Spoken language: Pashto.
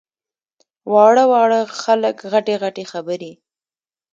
واړه واړه خلک غټې غټې خبرې!